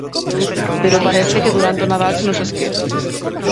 Pero parece que durante o Nadal se nos esquece.